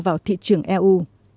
vào thị trường eu